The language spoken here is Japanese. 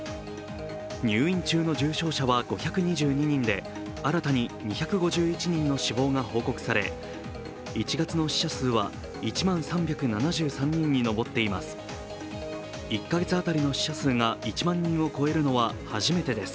入院中の重症者は５２２人で新たに２５１人の死亡が報告され１月の死者数は１万３７３人に上っています。